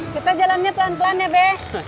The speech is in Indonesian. kita jalannya pelan pelan ya be